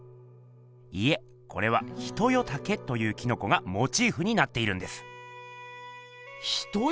いえこれは「ヒトヨタケ」というキノコがモチーフになっているんです。